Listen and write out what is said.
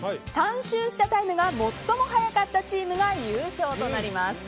３周したタイムが最も速かったチームが優勝となります。